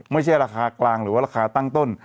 ไม่ใช่ราคากลางหรือว่าราคาตั้งต้น